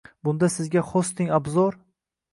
Bunda Sizga Hosting-Obzor